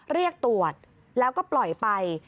เรียกตรวจแล้วก็ปล่อยไป